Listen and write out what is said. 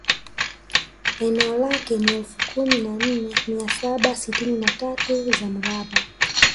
Eneo lake ni elfu kumi na nne mia saba sitini na tatu za mraba